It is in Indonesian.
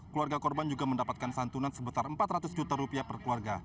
keluarga korban juga mendapatkan santunan sebesar empat ratus juta rupiah per keluarga